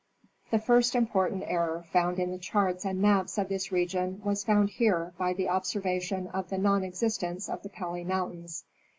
The first important error found in the charts and maps of this region was found here by the observation of the non existence of the Pelly mountains.